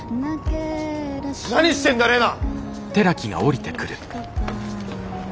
何してんだレナ！